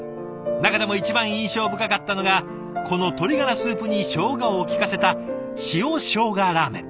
中でも一番印象深かったのがこの鶏がらスープにしょうがを利かせた塩しょうがラーメン。